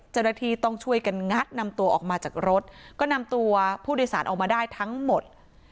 เจ้าหน้าที่ต้องช่วยกันงัดนำตัวออกมาจากรถก็นำตัวผู้โดยสารออกมาได้ทั้งหมด